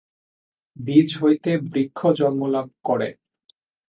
বীজ হইতে বৃক্ষ জন্মলাভ করে।